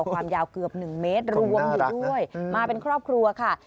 ความยาวเกือบ๑เมตรรวมอยู่ด้วยมาเป็นครอบครัวค่ะ